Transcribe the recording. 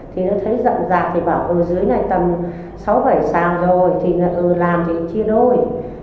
thì nó thấy rậm rạc thì bảo dưới này tầm sáu bảy sàn rồi thì làm thì chia đôi